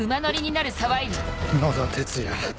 野田哲也。